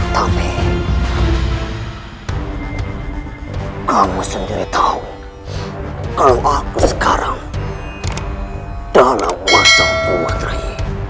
tapi kamu sendiri tahu kalau aku sekarang dalam masa bunga terakhir